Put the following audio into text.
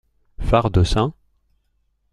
Phare de St.